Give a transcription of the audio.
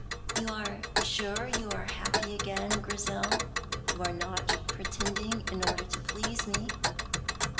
"You are sure you are happy again, Grizel? You are not pretending in order to please me?"